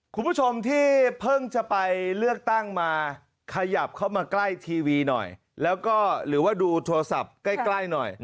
คุณผู้ชมที่เพิ่งจะไปเลือกตั้งมาขยับเข้ามาใกล้ทีวีหน่อยแล้วก็หรือว่าดูโทรศัพท์ใกล้ใกล้หน่อย